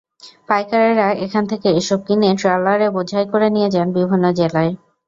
পাইকারেরা এখান থেকে এসব কিনে ট্রলারে বোঝাই করে নিয়ে যান বিভিন্ন জেলায়।